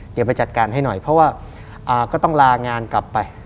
เดี๋ยวไปจัดการให้หน่อยเพราะว่าก็ต้องลางานกลับไป